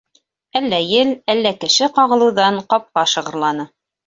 Әллә ел, әллә кеше ҡағылыуҙан, ҡапҡа шығырланы.